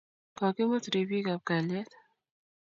Kokimut ripik ab kalyet